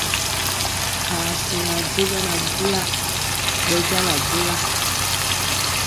Ha siŋa je ɓɛ na bula, ɓɛ jala bula.